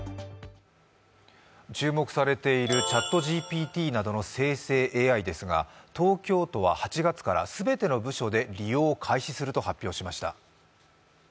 注目されているＣｈａｔＧＰＴなどの生成ＡＩですが東京都は８月から全ての部署で利用を開始すると発表しました。